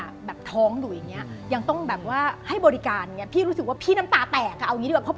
อย่างนี้จะดีเลย